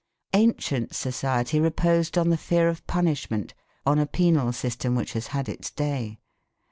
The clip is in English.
Ancient society reposed on the fear of punishment, on a penal system which has had its day.